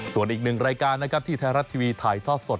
ส่วนอีกหนึ่งรายการที่ไทยรัดทวีถ่ายทอดสด